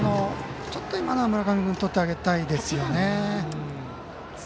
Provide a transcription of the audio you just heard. ちょっと今のは村上君、とってあげたいですよね。